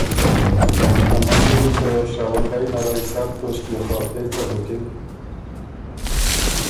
ا مسُودی ل ته شراونګئ نرئ سر توݭکيې خه پېڅه بُکِن